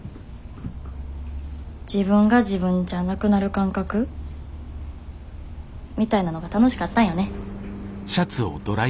自分が自分じゃなくなる感覚？みたいなのが楽しかったんよね。